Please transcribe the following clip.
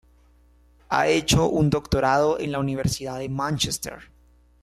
Ha hecho un doctorado en la universidad de Manchester.